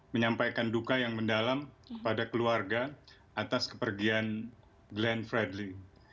menyampaikan duka yang mendalam kepada keluarga atas kepergian glenn fredly